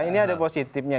ini ada positifnya